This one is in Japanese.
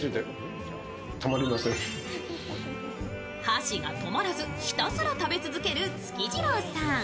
箸が止まらず、ひたすら食べ続けるつきじろうさん。